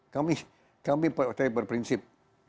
kami partai berprinsip